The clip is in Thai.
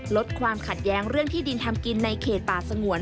ลดความขัดแย้งเรื่องที่ดินทำกินในเขตป่าสงวน